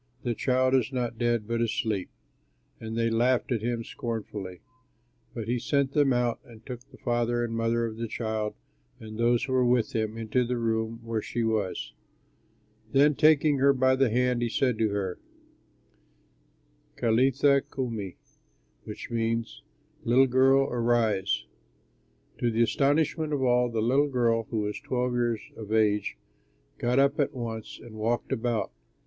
The child is not dead, but asleep." And they laughed at him scornfully. But he sent them out and took the father and mother of the child and those who were with him into the room where she was. Then, taking her by the hand, he said to her, "Talitha koumi," which means, "Little girl, arise." To the astonishment of all, the little girl (who was twelve years of age) got up at once and walked about.